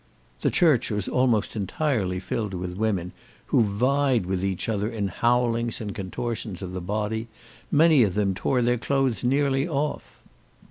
The church was almost entirely filled with women, who vied with each other in howlings and contortions of the body; many of them tore their clothes nearly off.